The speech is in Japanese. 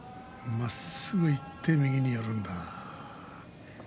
まっすぐいって右に寄るんだ。